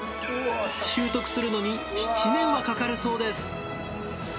習得するのに７年はかかるそうです。